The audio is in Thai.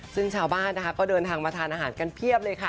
ซึ่งชาวบ้านนะคะก็เดินทางมาทานอาหารกันเพียบเลยค่ะ